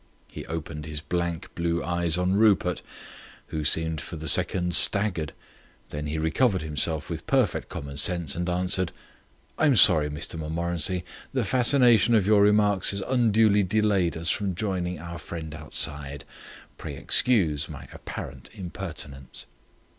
He opened his blank blue eyes on Rupert, who seemed for the second staggered. Then he recovered himself with perfect common sense and answered: "I am sorry, Mr Montmorency. The fascination of your remarks has unduly delayed us from joining our friend outside. Pray excuse my apparent impertinence."